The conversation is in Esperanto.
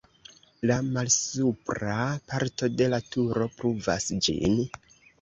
La malsupra parto de la turo pruvas ĝin.